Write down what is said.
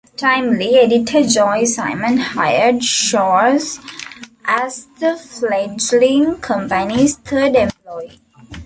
Timely editor Joe Simon hired Shores as the fledgling company's third employee.